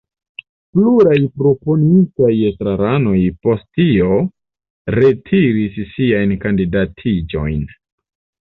Pluraj proponitaj estraranoj post tio retiris siajn kandidatiĝojn.